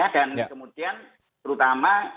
dan kemudian terutama